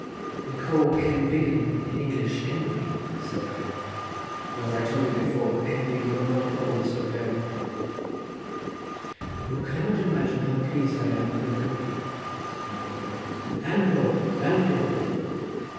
"We call cenfigen in English envy," said I; "but as I told you before, envy will not always prevail." "You cannot imagine how pleased I am with your company," said the man in grey. "Landlord, landlord!"